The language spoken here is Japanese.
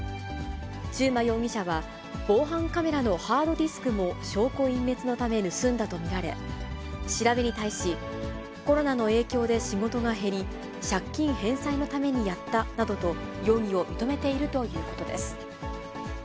中馬容疑者は、防犯カメラのハードディスクも証拠隠滅のため盗んだと見られ、調べに対し、コロナの影響で仕事が減り、借金返済のためにやったなどと容疑を認めているということです。